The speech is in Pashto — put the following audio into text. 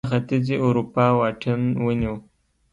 دا له ختیځې اروپا واټن ونیو